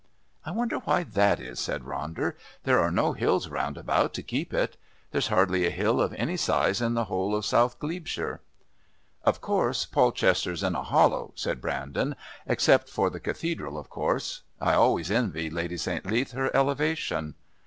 "I wonder why that is," said Ronder; "there are no hills round about to keep it. There's hardly a hill of any size in the whole of South Glebeshire." "Of course, Polchester's in a hollow," said Brandon. "Except for the Cathedral, of course. I always envy Lady St. Leath her elevation."